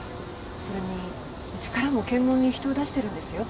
それにうちからも検問に人を出してるんですよ。